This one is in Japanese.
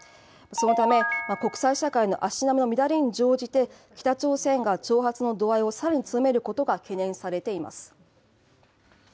そのため、国際社会の足並みの乱れに乗じて、北朝鮮が挑発の度合いをさらに強めることが懸念されています。